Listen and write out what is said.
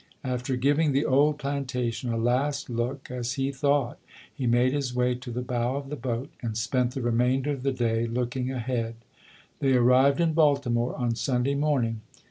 After giving the old plantation a last look, as he thought, he made his way to the bow of the boat and spent the remainder of the day looking ahead. They arrived in Baltimore on Sunday morning.